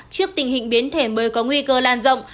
trước tình hình biến thể mới có nguy cơ lan rộng